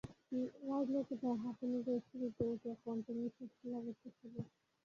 রাজলক্ষ্মী তাঁহার হাঁপানি লইয়া সিঁড়িতে উঠিয়া কষ্টে নিশ্বাস লইতেছিলেন।